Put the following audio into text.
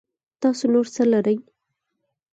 تاسو نور څه لرئ